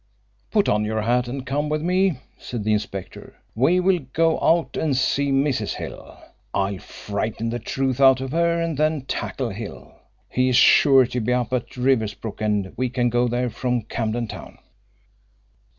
"Put on your hat and come with me," said the inspector. "We will go out and see Mrs. Hill. I'll frighten the truth out of her and then tackle Hill. He is sure to be up at Riversbrook, and we can go on there from Camden Town."